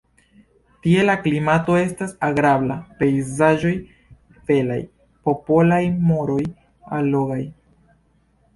Tie la klimato estas agrabla, pejzaĝoj belaj, popolaj moroj allogaj.